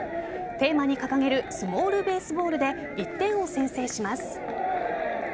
テーマに掲げるスモールベースボールで１点を先制します。